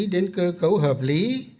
đến cơ cấu hợp lý